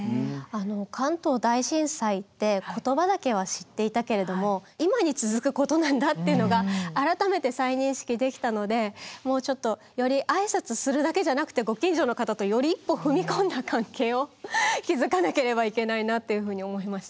関東大震災って言葉だけは知っていたけれども今に続くことなんだっていうのが改めて再認識できたのでもうちょっとより挨拶するだけじゃなくてご近所の方とより一歩踏み込んだ関係を築かなければいけないなっていうふうに思いました。